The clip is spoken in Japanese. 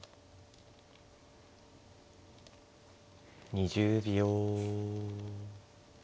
２０秒。